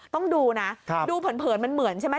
ต้องดูนะดูเผินมันเหมือนใช่ไหม